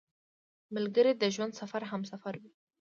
ملګری د ژوند سفر همسفر وي